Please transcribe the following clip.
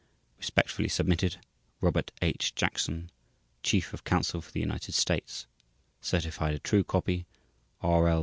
Respectfully submitted: /s/ ROBERT H. JACKSON Chief of Counsel for the United States Certified a true copy: /s/ R. L.